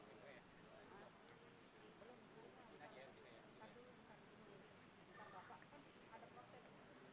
mengeluarkan dua daripada malas